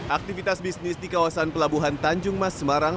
aktivitas bisnis di kawasan pelabuhan tanjung mas semarang